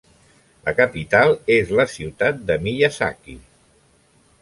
La capital és la ciutat de Miyazaki.